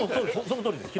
そのとおりです。